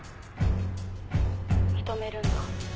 「認めるんだ」